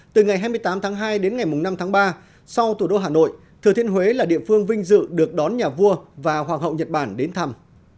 từ ngày hai mươi tám tháng hai đến ngày năm tháng ba sau thủ đô hà nội thừa thiên huế là địa phương vinh dự được đón nhà vua và hoàng hậu nhật bản đến thăm